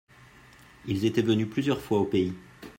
Ils étaient venus plusieurs fois au pays.